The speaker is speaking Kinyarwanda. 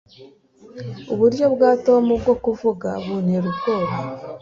Uburyo bwa Tom bwo kuvuga buntera ubwoba